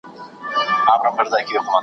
حیادار حیا کول بې حیا ویل زما څخه بېرېږي .